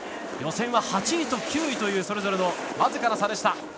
予選は８位と９位というそれぞれの僅かな差でした。